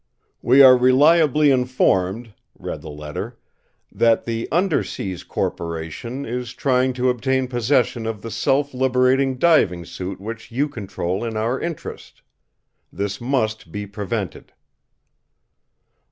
"We are reliably informed," read the letter, "that the Under Seas Corporation is trying to obtain possession of the self liberating diving suit which you control in our interest. This must be prevented."